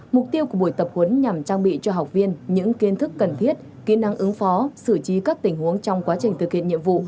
mục tiêu của buổi tập huấn nhằm trang bị cho học viên những kiến thức cần thiết kỹ năng ứng phó xử trí các tình huống trong quá trình thực hiện nhiệm vụ